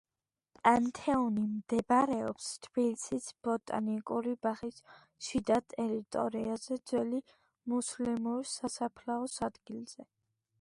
პანთეონი მდებარეობს თბილისის ბოტანიკური ბაღის შიდა ტერიტორიაზე, ძველი მუსლიმური სასაფლაოს ადგილზე.